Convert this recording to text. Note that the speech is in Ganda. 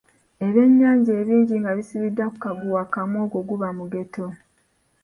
Ebyennyanja ebingi nga bisibiddwa ku kaguwa kamu ogwo guba Mugeto.